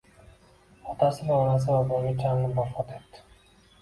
otasi va onasi vaboga chalinib vafot etdi